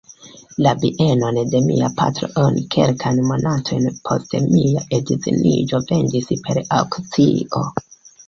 La bienon de mia patro oni kelkajn monatojn post mia edziniĝo vendis per aŭkcio.